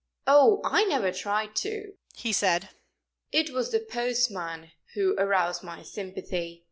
"Oh, I never tried to," he said. "It was the postman who aroused my sympathy."